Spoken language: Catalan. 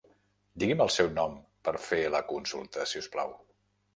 Digui'm el seu nom per fer la consulta si us plau.